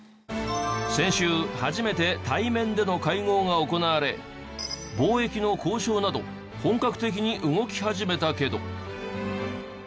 先週初めて対面での会合が行われ貿易の交渉など本格的に動き始めたけど。